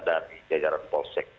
dari jajaran polsek